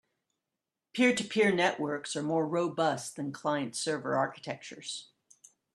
Peer-to-peer networks are more robust than client-server architectures.